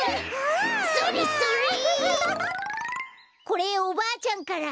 これおばあちゃんから。